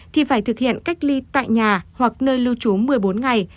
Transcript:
thì phải thực hiện cách ly tại nhà hoặc nơi lưu trú một mươi bốn ngày